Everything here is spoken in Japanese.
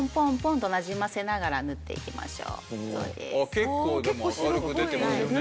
結構でも明るく出てますよね。